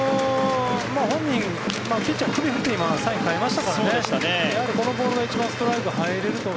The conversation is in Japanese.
本人、首を振ってサインを変えましたからやはりこのボールが一番ストライク、入ると。